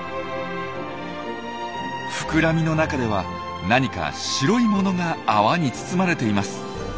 膨らみの中では何か白いものが泡に包まれています。